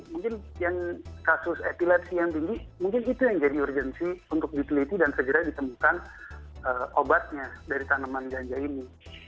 mungkin yang kasus epilepsi yang tinggi mungkin itu yang jadi urgensi untuk diteliti dan segera ditemukan obatnya dari tanaman ganja ini